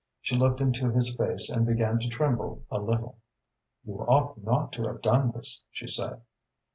She looked into his face and began to tremble a little. "You ought not to have done this," she said.